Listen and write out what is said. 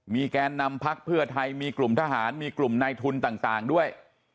แกนนำพักเพื่อไทยมีกลุ่มทหารมีกลุ่มในทุนต่างด้วย